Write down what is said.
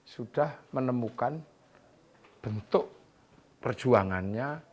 sudah menemukan bentuk perjuangannya